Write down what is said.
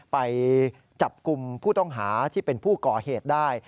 ไปจับกลุ่มผู้ต้องหาที่เป็นผู้ก่อเหตุได้